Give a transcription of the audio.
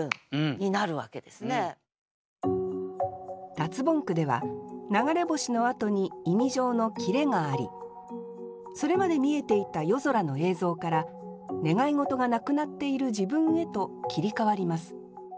脱ボン句では「流れ星」のあとに意味上の切れがありそれまで見えていた夜空の映像から願い事がなくなっている自分へと切り替わります。